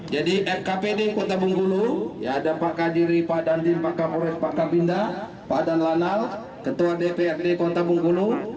jadi fkpd kota bengkulu ya ada pak kadiri pak dandim pak kapolet pak kabinda pak dan lanal ketua dprd kota bengkulu